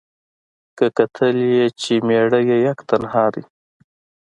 که کتل یې چي مېړه یې یک تنها دی